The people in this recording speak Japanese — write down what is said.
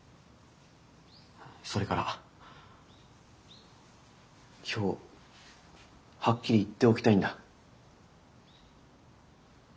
それから今日はっきり言っておきたいんだ。